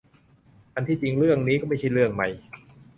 อันที่จริงเรื่องนี้ไม่ใช่เรื่องใหม่